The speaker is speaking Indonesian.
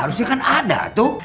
harusnya kan ada tuh